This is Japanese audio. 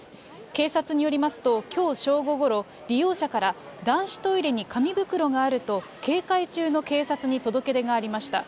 警察によりますときょう正午ごろ、利用者から、男子トイレに紙袋があると、警戒中の警察に届け出がありました。